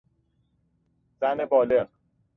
زن بالغ